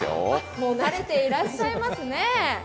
もう慣れていらっしゃいますね。